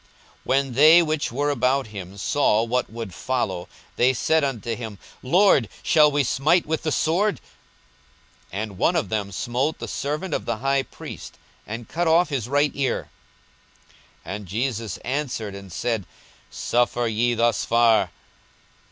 42:022:049 When they which were about him saw what would follow, they said unto him, Lord, shall we smite with the sword? 42:022:050 And one of them smote the servant of the high priest, and cut off his right ear. 42:022:051 And Jesus answered and said, Suffer ye thus far.